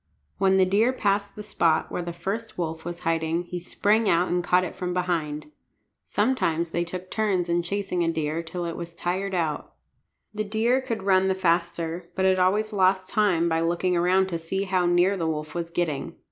When the deer passed the spot where the first wolf was hiding he sprang out and caught it from behind. Sometimes they took turns in chasing a deer till it was tired out. The deer could run the faster, but it always lost time by looking around to see how near the wolf was getting.